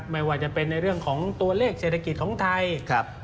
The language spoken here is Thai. ไม่ว่าจะเป็นในเรื่องของตัวเลขเศรษฐกิจของไทย